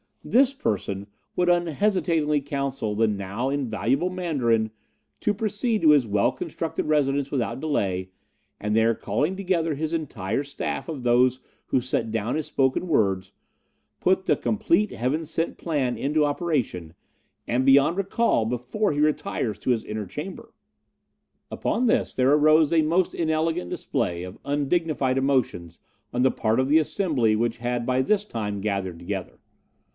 This person would unhesitatingly counsel the now invaluable Mandarin to proceed to his well constructed residence without delay, and there calling together his entire staff of those who set down his spoken words, put the complete Heaven sent plan into operation, and beyond recall, before he retires to his inner chamber.' "Upon this there arose a most inelegant display of undignified emotions on the part of the assembly which had by this time gathered together.